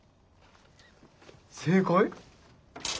正解？